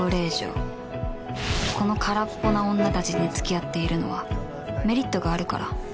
この空っぽな女たちに付き合っているのはメリットがあるから